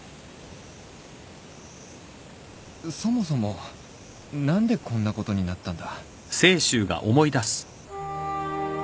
そもそも何でこんなことになったんだ？